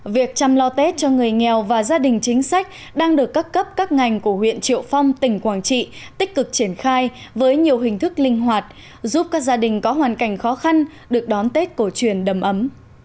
việc chăm lo tết cho người nghèo và gia đình chính sách đang được các cấp các ngành của huyện triệu phong tỉnh quảng trị tích cực triển khai với nhiều hình thức linh hoạt giúp các gia đình có hoàn cảnh khó khăn được đón tết cổ truyền đầm ấm